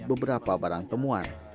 beberapa barang temuan